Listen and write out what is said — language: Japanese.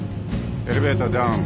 エレベーターダウン。